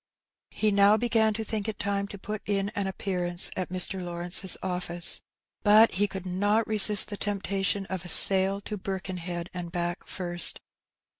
He now began to think it time to put in an appearance at Mr. Lawrenee^s office. But he could not resist the tempta tion of a sail to Birkenhead and back first.